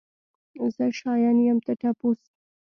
زه شاين يم ته ټپوس.